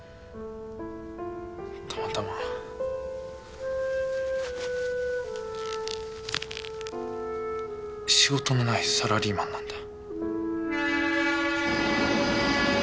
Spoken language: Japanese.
たまたま仕事のないサラリーマンなんだ。